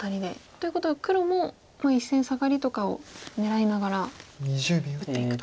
ということは黒も１線サガリとかを狙いながら打っていくと。